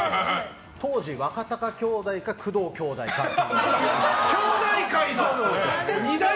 当時、若貴兄弟か工藤兄弟かって。